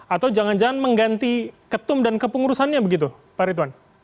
atau jangan jangan mengganti ketum dan kepengurusannya begitu pak ridwan